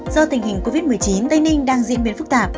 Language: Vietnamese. do tình hình covid một mươi chín tây ninh đang diễn biến phức tạp